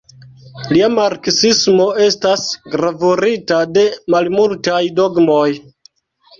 Lia marksismo estas gravurita de malmultaj dogmoj.